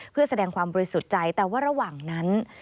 เพื่อแสดงความบริสุทธิ์ใจแต่ว่าระหว่างนั้น